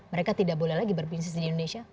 mereka tidak boleh lagi berbisnis di indonesia